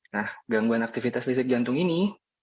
nah gangguan aktivitas listrik jantung ini